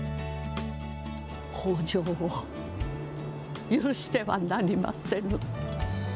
北条を許してはなりませぬ。